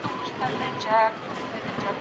خدای پاک زموږ د زړونو مینه ده.